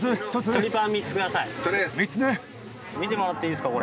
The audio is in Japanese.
見てもらっていいですか？